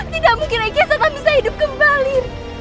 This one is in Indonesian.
tidak mungkin lagi satan bisa hidup kembali